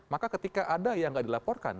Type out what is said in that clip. maka ketika ada yang tidak dilaporkan